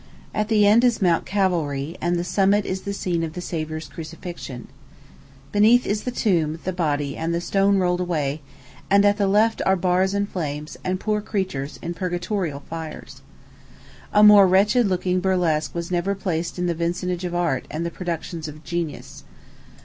At the end is Mount Calvary, and the summit is the scene of the Savior's crucifixion. Beneath is the tomb, the body, and the stone rolled away; and at the left are bars and flames, and poor creatures in purgatorial fires. A more wretched looking burlesque was never placed in the vicinage of art and the productions of genius.